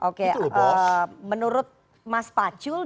oke menurut mas pacul